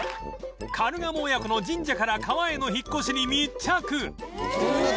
カルガモ親子の神社から川への引っ越しに密着！